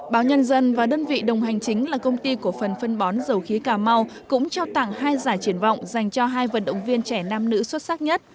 báo nhân dân và đơn vị đồng hành chính là công ty của phần phân bón dầu khí cà mau cũng trao tặng hai giải triển vọng dành cho hai vận động viên trẻ nam nữ xuất sắc nhất